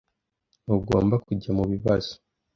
Ntugomba kujya mubibazo.